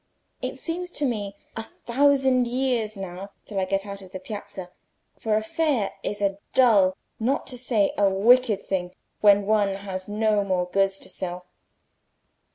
It seems to me a thousand years now till I get out of the piazza, for a fair is a dull, not to say a wicked thing, when one has no more goods to sell."